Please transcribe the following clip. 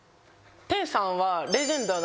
テンさんは。